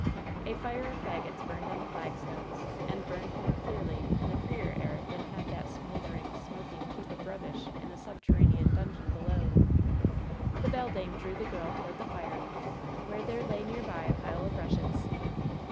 A fire of faggots burned on the flagstones, and burned more clearly in the freer air than had that smoldering, smoking heap of rubbish in the subterranean dungeon below. The beldame drew the girl toward the fire, where there lay near by a pile of rushes.